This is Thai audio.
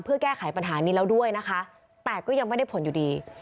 เพื่อแก้ไขปัญหานี้แล้วด้วยนะคะแต่ก็ยังไม่ได้ผลอยู่ดี